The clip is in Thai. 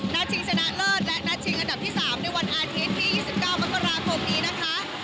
ชิงชนะเลิศและนัดชิงอันดับที่๓ในวันอาทิตย์ที่๒๙มกราคมนี้นะคะ